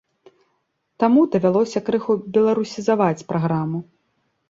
Таму давялося крыху беларусізаваць праграму.